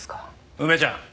梅ちゃん？